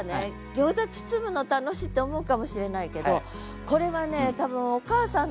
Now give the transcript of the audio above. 餃子包むの楽しいって思うかもしれないけどこれはね多分お母さんの視点。